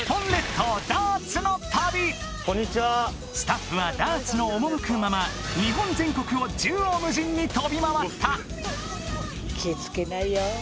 スタッフはダーツの赴くまま日本全国を縦横無尽に飛び回った気ぃ付けなよ。